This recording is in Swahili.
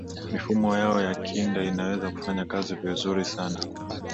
mifumo yao ya kinga inaweza kufanya kazi vizuri sana